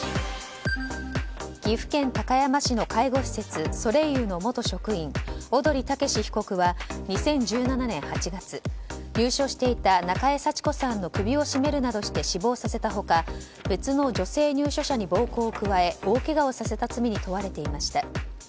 岐阜県高山市の介護施設それいゆの元職員小鳥剛被告は２０１７年８月入所していた中江幸子さんの首を絞めるなどして死亡させた他別の女性入所者に暴行を加え、大けがをさせた罪に問われていました。